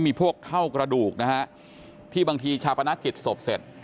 มีพวกเท่ากระดูกนะฮะที่บางทีชาปนกิจศพเสร็จ